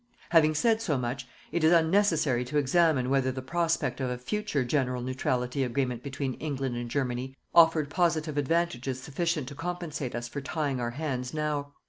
Having said so much, it is unnecessary to examine whether the prospect of a future general neutrality agreement between England and Germany offered positive advantages sufficient to compensate us for tying our hands now.